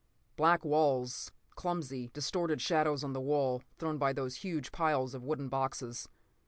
Black walls, clumsy, distorted shadows on the wall, thrown by those huge piles of wooden boxes.